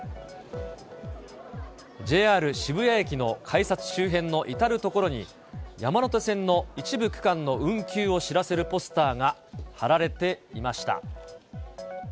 ＪＲ渋谷駅の改札周辺の至る所に、山手線の一部区間の運休を知らせるポスターが貼られていました。